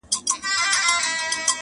نن زندان پر ماتېدو دی-